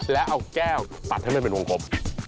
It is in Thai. แล้วเอาแก้วปัดให้มันเป็นวงกลม